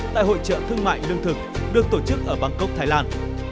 tại hội trợ thương mại lương thực được tổ chức ở bangkok thái lan